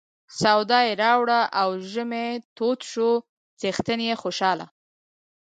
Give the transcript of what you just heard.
سودا یې راوړه او ژمی تود شو څښتن یې خوشاله.